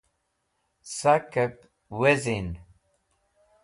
Sakep Wezin